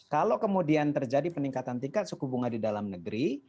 kalau kemudian terjadi peningkatan tingkat suku bunga di dalam negeri